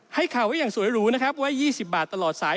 ให้ข่าวไว้อย่างสวยหรูนะครับว่า๒๐บาทตลอดสาย